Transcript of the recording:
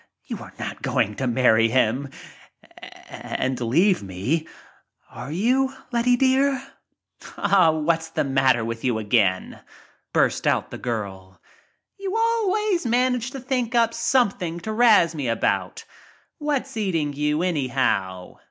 You are not going f o marry him — and leave me are you, Letty, dear?" "Aw, what's the matter with you again?" burst 'mt the girl. "You always manage to think up something to razz me about. What's eating you, anyhow?